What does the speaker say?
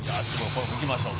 これもいきましょう。